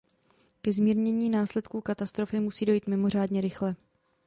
Ke zmírnění následků katastrofy musí dojít mimořádně rychle.